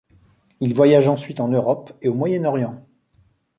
Il voyage ensuite en Europe et au Moyen-Orient.